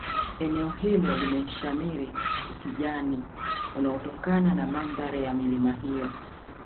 eneo hilo limeshamiri ukijani unaotokana na mandhari ya milima hiyo